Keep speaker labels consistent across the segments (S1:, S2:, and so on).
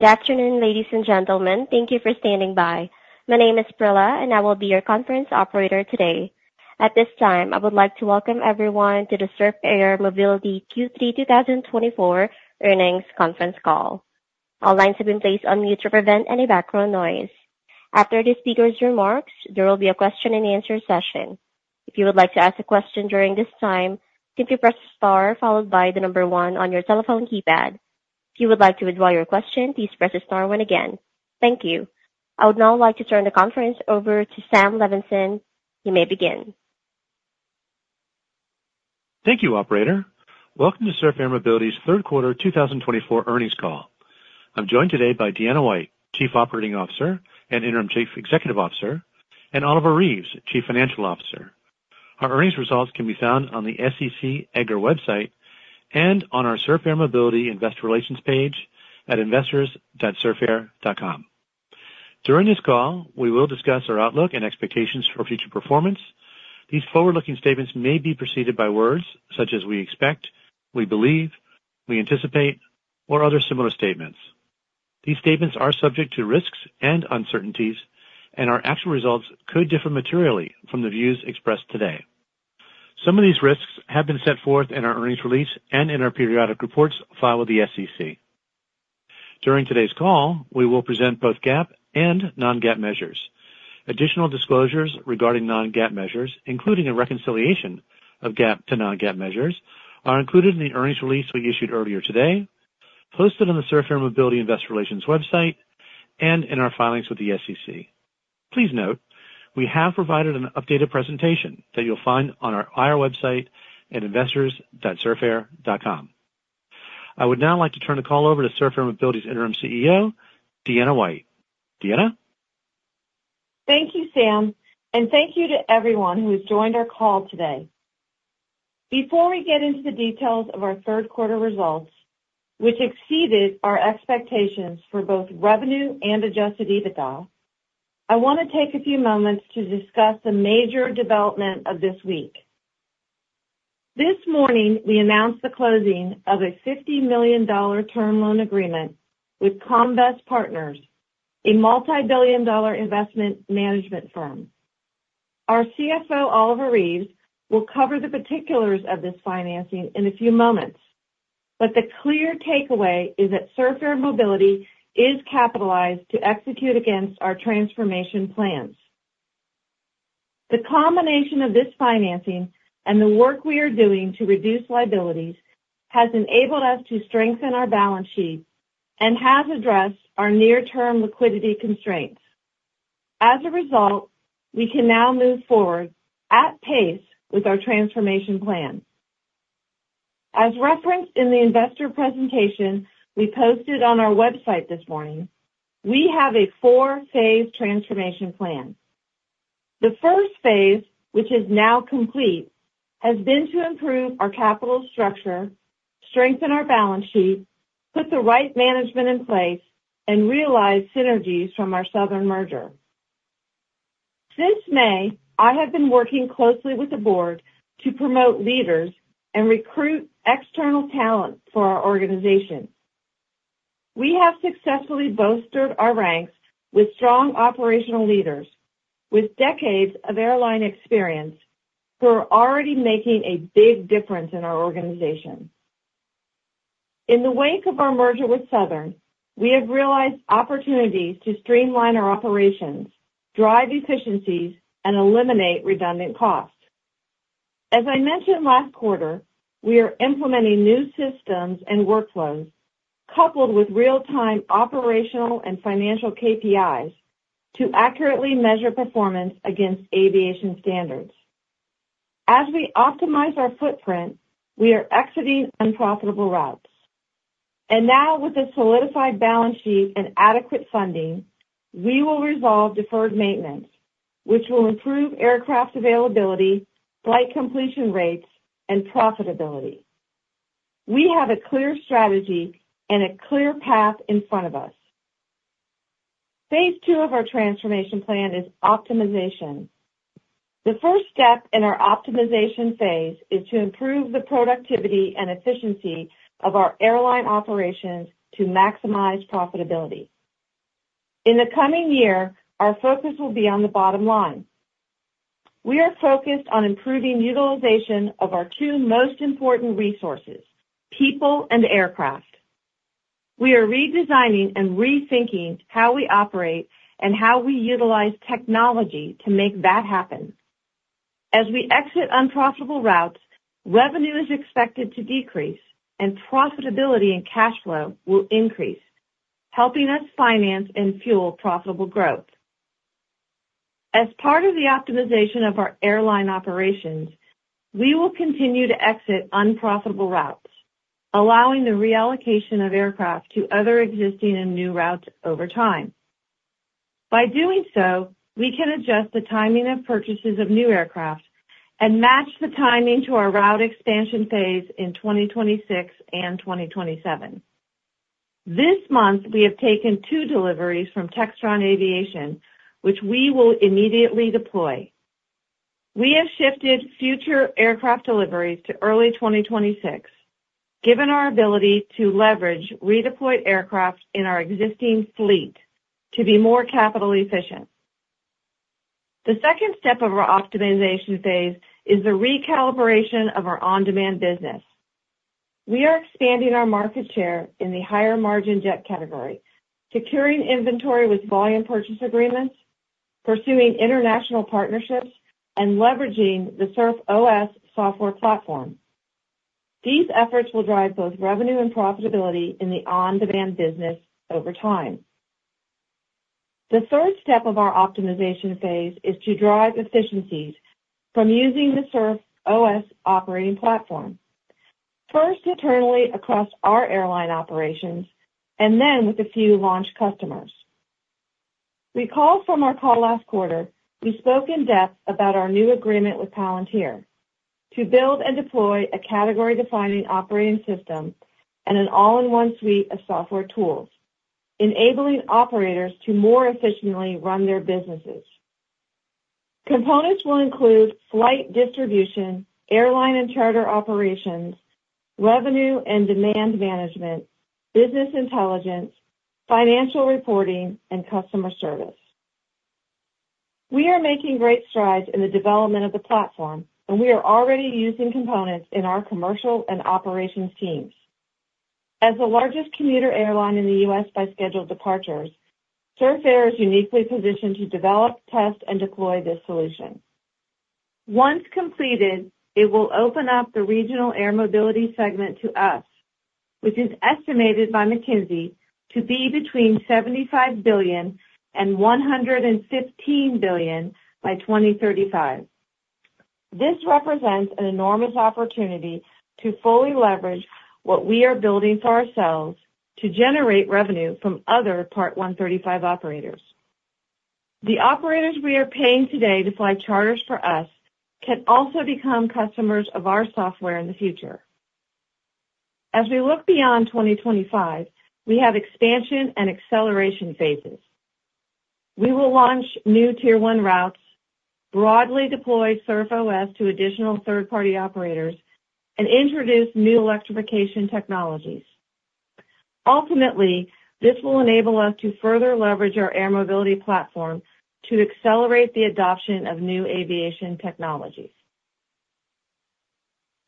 S1: Good afternoon, ladies and gentlemen. Thank you for standing by. My name is Prila, and I will be your conference operator today. At this time, I would like to welcome everyone to the Surf Air Mobility Q3 2024 earnings conference call. All lines have been placed on mute to prevent any background noise. After the speaker's remarks, there will be a question-and-answer session. If you would like to ask a question during this time, simply press the star followed by the number one on your telephone keypad. If you would like to withdraw your question, please press the star key again. Thank you. I would now like to turn the conference over to Sam Levenson. You may begin.
S2: Thank you, Operator. Welcome to Surf Air Mobility's third quarter 2024 earnings call. I'm joined today by Deanna White, Chief Operating Officer and Interim Chief Executive Officer, and Oliver Reeves, Chief Financial Officer. Our earnings results can be found on the SEC EDGAR website and on our Surf Air Mobility Investor Relations page at investors.surfair.com. During this call, we will discuss our outlook and expectations for future performance. These forward-looking statements may be preceded by words such as "we expect," "we believe," "we anticipate," or other similar statements. These statements are subject to risks and uncertainties, and our actual results could differ materially from the views expressed today. Some of these risks have been set forth in our earnings release and in our periodic reports filed with the SEC. During today's call, we will present both GAAP and non-GAAP measures. Additional disclosures regarding non-GAAP measures, including a reconciliation of GAAP to non-GAAP measures, are included in the earnings release we issued earlier today, posted on the Surf Air Mobility Investor Relations website, and in our filings with the SEC. Please note we have provided an updated presentation that you'll find on our IR website at investors.surfair.com. I would now like to turn the call over to Surf Air Mobility's Interim CEO, Deanna White. Deanna?
S3: Thank you, Sam, and thank you to everyone who has joined our call today. Before we get into the details of our third quarter results, which exceeded our expectations for both revenue and Adjusted EBITDA, I want to take a few moments to discuss the major development of this week. This morning, we announced the closing of a $50 million term loan agreement with Comvest Partners, a multi-billion-dollar investment management firm. Our CFO, Oliver Reeves, will cover the particulars of this financing in a few moments, but the clear takeaway is that Surf Air Mobility is capitalized to execute against our transformation plans. The combination of this financing and the work we are doing to reduce liabilities has enabled us to strengthen our balance sheet and has addressed our near-term liquidity constraints. As a result, we can now move forward at pace with our transformation plan. As referenced in the investor presentation we posted on our website this morning, we have a four-phase transformation plan. The first phase, which is now complete, has been to improve our capital structure, strengthen our balance sheet, put the right management in place, and realize synergies from our Southern merger. Since May, I have been working closely with the board to promote leaders and recruit external talent for our organization. We have successfully bolstered our ranks with strong operational leaders with decades of airline experience who are already making a big difference in our organization. In the wake of our merger with Southern, we have realized opportunities to streamline our operations, drive efficiencies, and eliminate redundant costs. As I mentioned last quarter, we are implementing new systems and workflows coupled with real-time operational and financial KPIs to accurately measure performance against aviation standards. As we optimize our footprint, we are exiting unprofitable routes. And now, with a solidified balance sheet and adequate funding, we will resolve deferred maintenance, which will improve aircraft availability, flight completion rates, and profitability. We have a clear strategy and a clear path in front of us. Phase two of our transformation plan is optimization. The first step in our optimization phase is to improve the productivity and efficiency of our airline operations to maximize profitability. In the coming year, our focus will be on the bottom line. We are focused on improving utilization of our two most important resources: people and aircraft. We are redesigning and rethinking how we operate and how we utilize technology to make that happen. As we exit unprofitable routes, revenue is expected to decrease, and profitability and cash flow will increase, helping us finance and fuel profitable growth. As part of the optimization of our airline operations, we will continue to exit unprofitable routes, allowing the reallocation of aircraft to other existing and new routes over time. By doing so, we can adjust the timing of purchases of new aircraft and match the timing to our route expansion phase in 2026 and 2027. This month, we have taken two deliveries from Textron Aviation, which we will immediately deploy. We have shifted future aircraft deliveries to early 2026, given our ability to leverage redeployed aircraft in our existing fleet to be more capital efficient. The second step of our optimization phase is the recalibration of our on-demand business. We are expanding our market share in the higher margin jet category, securing inventory with volume purchase agreements, pursuing international partnerships, and leveraging the Surf OS software platform. These efforts will drive both revenue and profitability in the on-demand business over time. The third step of our optimization phase is to drive efficiencies from using the Surf OS operating platform, first internally across our airline operations and then with a few launch customers. Recall from our call last quarter, we spoke in depth about our new agreement with Palantir to build and deploy a category-defining operating system and an all-in-one suite of software tools, enabling operators to more efficiently run their businesses. Components will include flight distribution, airline and charter operations, revenue and demand management, business intelligence, financial reporting, and customer service. We are making great strides in the development of the platform, and we are already using components in our commercial and operations teams. As the largest commuter airline in the U.S. by scheduled departures, Surf Air is uniquely positioned to develop, test, and deploy this solution. Once completed, it will open up the regional air mobility segment to us, which is estimated by McKinsey to be between $75 billion and $115 billion by 2035. This represents an enormous opportunity to fully leverage what we are building for ourselves to generate revenue from other Part 135 operators. The operators we are paying today to fly charters for us can also become customers of our software in the future. As we look beyond 2025, we have expansion and acceleration phases. We will launch new Tier 1 routes, broadly deploy Surf OS to additional third-party operators, and introduce new electrification technologies. Ultimately, this will enable us to further leverage our air mobility platform to accelerate the adoption of new aviation technologies.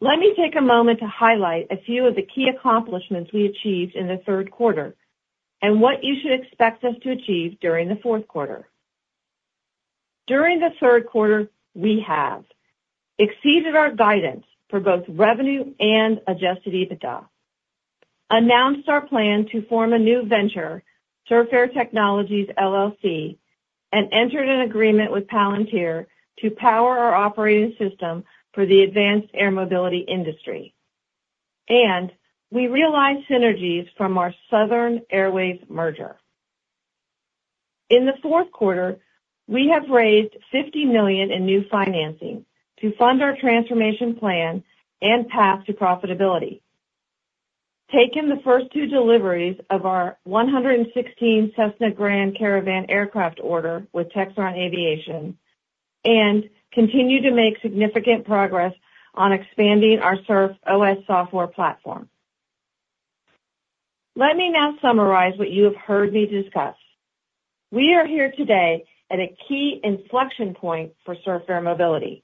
S3: Let me take a moment to highlight a few of the key accomplishments we achieved in the third quarter and what you should expect us to achieve during the fourth quarter. During the third quarter, we have exceeded our guidance for both revenue and Adjusted EBITDA, announced our plan to form a new venture, Surf Air Technologies LLC, and entered an agreement with Palantir to power our operating system for the advanced air mobility industry, and we realized synergies from our Southern Airways merger. In the fourth quarter, we have raised $50 million in new financing to fund our transformation plan and path to profitability, taken the first two deliveries of our 116 Cessna Grand Caravan aircraft order with Textron Aviation, and continued to make significant progress on expanding our Surf OS software platform. Let me now summarize what you have heard me discuss. We are here today at a key inflection point for Surf Air Mobility.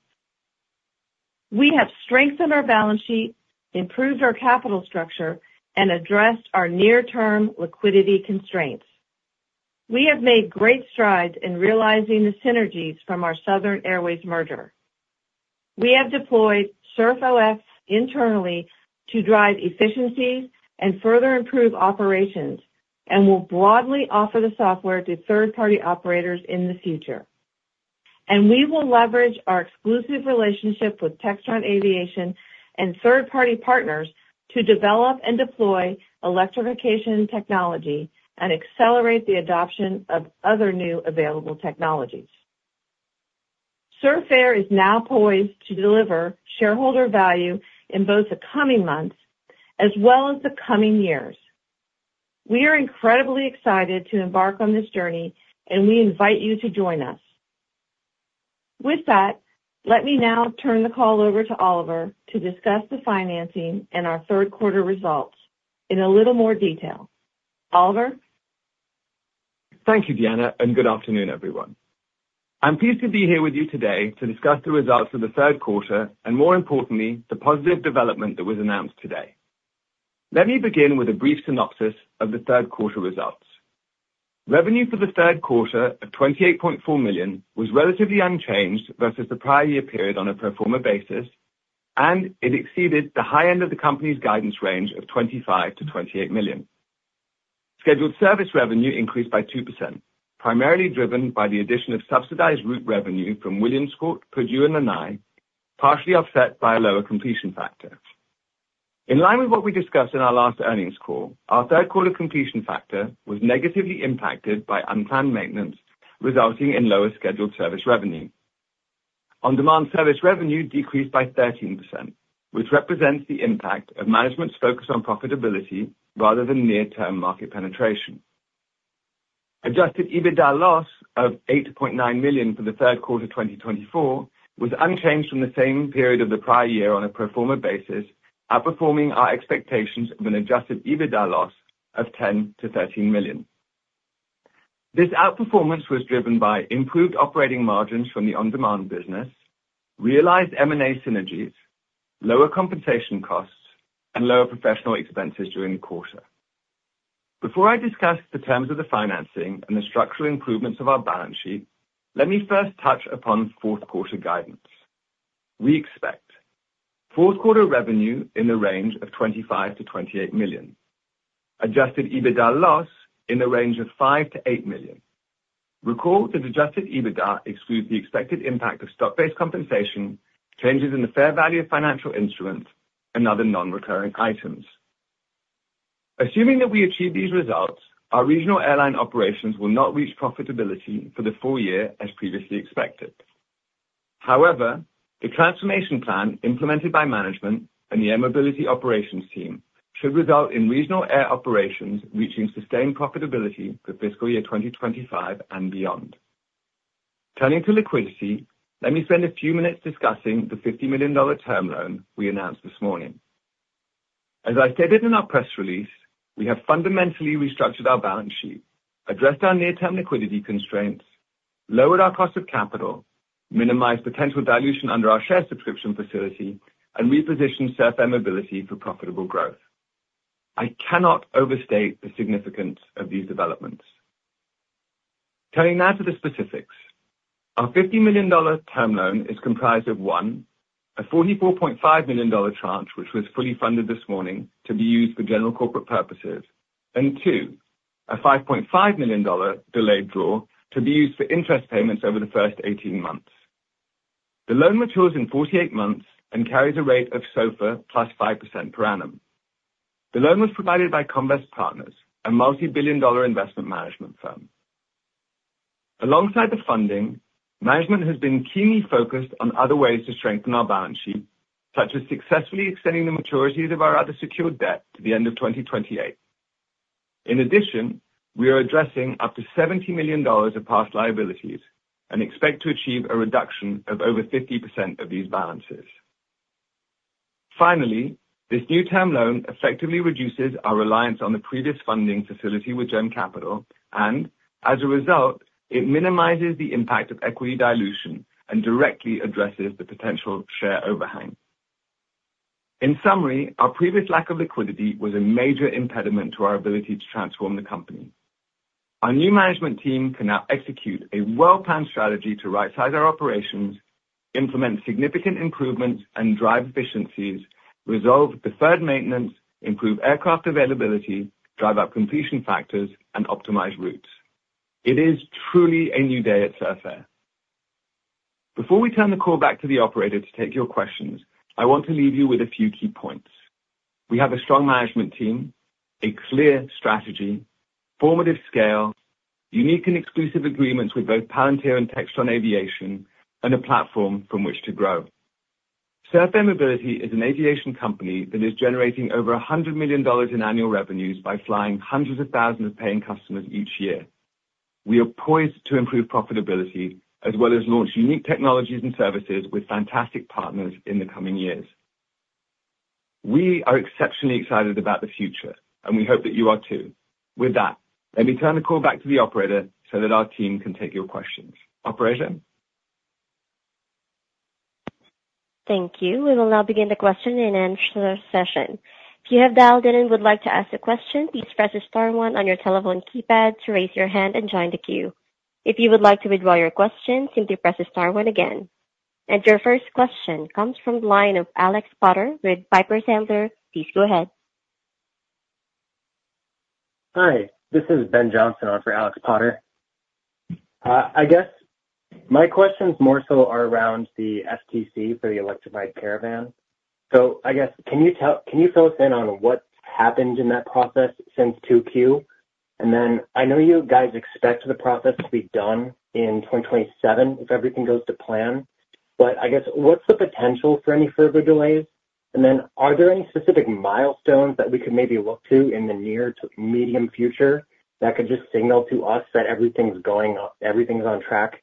S3: We have strengthened our balance sheet, improved our capital structure, and addressed our near-term liquidity constraints. We have made great strides in realizing the synergies from our Southern Airways merger. We have deployed Surf OS internally to drive efficiencies and further improve operations and will broadly offer the software to third-party operators in the future, and we will leverage our exclusive relationship with Textron Aviation and third-party partners to develop and deploy electrification technology and accelerate the adoption of other new available technologies. Surf Air is now poised to deliver shareholder value in both the coming months as well as the coming years. We are incredibly excited to embark on this journey, and we invite you to join us. With that, let me now turn the call over to Oliver to discuss the financing and our third quarter results in a little more detail. Oliver?
S4: Thank you, Deanna, and good afternoon, everyone. I'm pleased to be here with you today to discuss the results of the third quarter and, more importantly, the positive development that was announced today. Let me begin with a brief synopsis of the third quarter results. Revenue for the third quarter of $28.4 million was relatively unchanged versus the prior year period on a pro forma basis, and it exceeded the high end of the company's guidance range of $25-$28 million. Scheduled service revenue increased by 2%, primarily driven by the addition of subsidized route revenue from Williamsport, Purdue, and Lanai, partially offset by a lower completion factor. In line with what we discussed in our last earnings call, our third quarter completion factor was negatively impacted by unplanned maintenance, resulting in lower scheduled service revenue. On-demand service revenue decreased by 13%, which represents the impact of management's focus on profitability rather than near-term market penetration. Adjusted EBITDA loss of $8.9 million for the third quarter 2024 was unchanged from the same period of the prior year on a pro forma basis, outperforming our expectations of an adjusted EBITDA loss of $10-$13 million. This outperformance was driven by improved operating margins from the on-demand business, realized M&A synergies, lower compensation costs, and lower professional expenses during the quarter. Before I discuss the terms of the financing and the structural improvements of our balance sheet, let me first touch upon fourth quarter guidance. We expect fourth quarter revenue in the range of $25-$28 million, adjusted EBITDA loss in the range of $5-$8 million. Recall that Adjusted EBITDA excludes the expected impact of stock-based compensation, changes in the fair value of financial instruments, and other non-recurring items. Assuming that we achieve these results, our regional airline operations will not reach profitability for the full year as previously expected. However, the transformation plan implemented by management and the air mobility operations team should result in regional air operations reaching sustained profitability for fiscal year 2025 and beyond. Turning to liquidity, let me spend a few minutes discussing the $50 million term loan we announced this morning. As I stated in our press release, we have fundamentally restructured our balance sheet, addressed our near-term liquidity constraints, lowered our cost of capital, minimized potential dilution under our share subscription facility, and repositioned Surf Air Mobility for profitable growth. I cannot overstate the significance of these developments. Turning now to the specifics, our $50 million term loan is comprised of one, a $44.5 million tranche, which was fully funded this morning to be used for general corporate purposes, and two, a $5.5 million delayed draw to be used for interest payments over the first 18 months. The loan matures in 48 months and carries a rate of SOFR plus 5% per annum. The loan was provided by Comvest Partners, a multi-billion dollar investment management firm. Alongside the funding, management has been keenly focused on other ways to strengthen our balance sheet, such as successfully extending the maturities of our other secured debt to the end of 2028. In addition, we are addressing up to $70 million of past liabilities and expect to achieve a reduction of over 50% of these balances. Finally, this new term loan effectively reduces our reliance on the previous funding facility with GEM Capital and, as a result, it minimizes the impact of equity dilution and directly addresses the potential share overhang. In summary, our previous lack of liquidity was a major impediment to our ability to transform the company. Our new management team can now execute a well-planned strategy to right-size our operations, implement significant improvements, and drive efficiencies, resolve deferred maintenance, improve aircraft availability, drive up completion factors, and optimize routes. It is truly a new day at Surf Air. Before we turn the call back to the operator to take your questions, I want to leave you with a few key points. We have a strong management team, a clear strategy, formative scale, unique and exclusive agreements with both Palantir and Textron Aviation, and a platform from which to grow. Surf Air Mobility is an aviation company that is generating over $100 million in annual revenues by flying hundreds of thousands of paying customers each year. We are poised to improve profitability as well as launch unique technologies and services with fantastic partners in the coming years. We are exceptionally excited about the future, and we hope that you are too. With that, let me turn the call back to the operator so that our team can take your questions. Operator?
S1: Thank you. We will now begin the question and answer session. If you have dialed in and would like to ask a question, please press the star one on your telephone keypad to raise your hand and join the queue. If you would like to withdraw your question, simply press the star one again, and your first question comes from the line of Alex Potter with Piper Sandler. Please go ahead.
S5: Hi, this is Ben Johnson for Alex Potter. I guess my questions more so are around the STC for the electrified caravan. So I guess, can you fill us in on what happened in that process since 2Q? And then I know you guys expect the process to be done in 2027 if everything goes to plan. But I guess, what's the potential for any further delays? And then are there any specific milestones that we could maybe look to in the near to medium future that could just signal to us that everything's going on, everything's on track?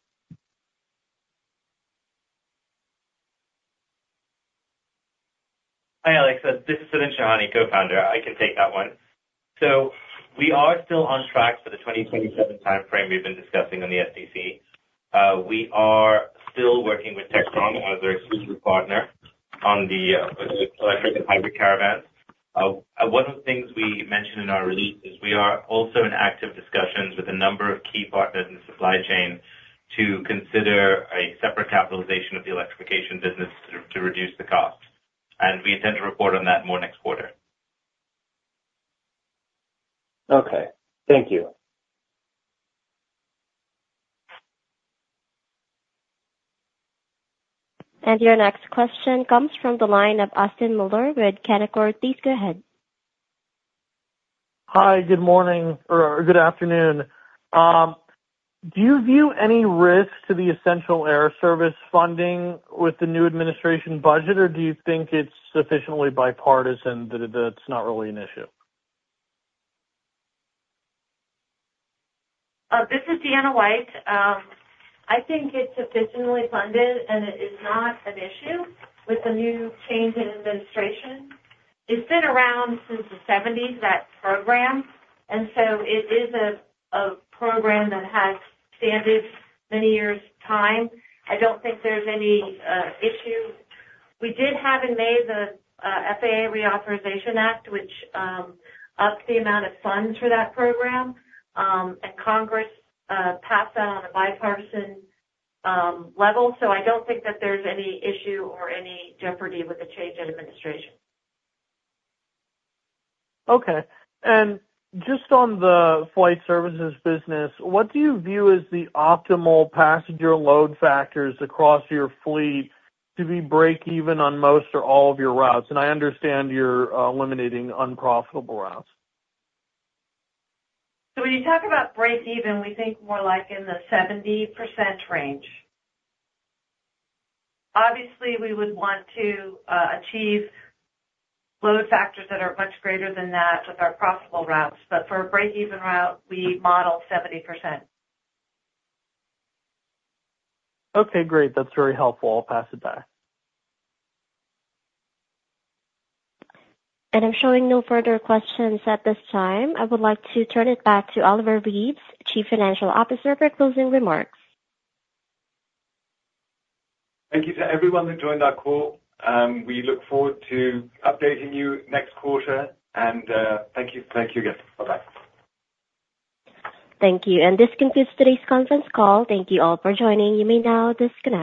S6: Hi, Alex. This is Sudhin Shahani, co-founder. I can take that one. So we are still on track for the 2027 timeframe we've been discussing on the STC. We are still working with Textron as our exclusive partner on the electric and hybrid caravans. One of the things we mentioned in our release is we are also in active discussions with a number of key partners in the supply chain to consider a separate capitalization of the electrification business to reduce the cost. And we intend to report on that more next quarter.
S5: Okay. Thank you.
S1: Your next question comes from the line of Austin Moeller with Canaccord Genuity. Please go ahead.
S7: Hi, good morning or good afternoon. Do you view any risk to the Essential Air Service funding with the new administration budget, or do you think it's sufficiently bipartisan that it's not really an issue?
S3: This is Deanna White. I think it's sufficiently funded, and it is not an issue with the new change in administration. It's been around since the 1970s, that program, and so it is a program that has standards many years' time. I don't think there's any issue. We did have in May the FAA Reauthorization Act, which upped the amount of funds for that program, and Congress passed that on a bipartisan level, so I don't think that there's any issue or any jeopardy with the change in administration.
S7: Okay. And just on the flight services business, what do you view as the optimal passenger load factors across your fleet to be break-even on most or all of your routes? And I understand you're eliminating unprofitable routes.
S3: So when you talk about break-even, we think more like in the 70% range. Obviously, we would want to achieve load factors that are much greater than that with our profitable routes. But for a break-even route, we model 70%.
S7: Okay. Great. That's very helpful. I'll pass it back.
S1: I'm showing no further questions at this time. I would like to turn it back to Oliver Reeves, Chief Financial Officer, for closing remarks.
S4: Thank you to everyone that joined our call. We look forward to updating you next quarter. And thank you. Thank you again. Bye-bye.
S1: Thank you. And this concludes today's conference call. Thank you all for joining. You may now disconnect.